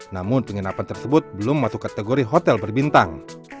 namun penginapan tersebut belum masuk kategori hotel berbintang